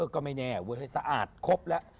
ก็ไม่แน่เวอร์ให้สะอาดครบแล้ว